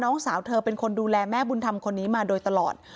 สาวเธอเป็นคนดูแลแม่บุญธรรมคนนี้มาโดยตลอด